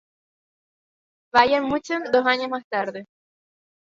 Bayern München dos años más tarde.